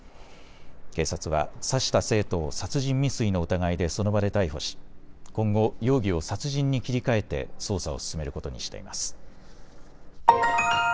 警察は刺した生徒を殺人未遂の疑いでその場で逮捕し今後、容疑を殺人に切り替えて捜査を進めることにしています。